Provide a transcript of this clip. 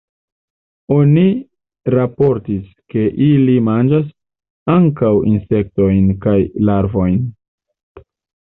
Oni raportis, ke ili manĝas ankaŭ insektojn kaj larvojn.